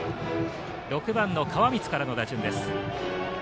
６番の川満からの打順です。